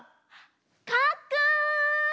かっくん！